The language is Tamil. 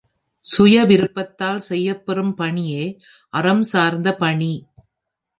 சுய விருப்பத்தால் செய்யப் பெறும் பணியே அறம் சார்ந்த பணி.